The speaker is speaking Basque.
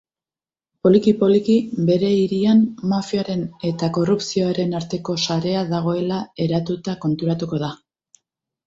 Poliki poliki bere hirian mafiaren eta korrupzioaren arteko sarea dagoela eratuta konturatuko da.